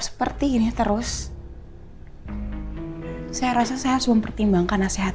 seperti ini terus saya rasa saya sebelum pertimbangkan aset dari mbak andin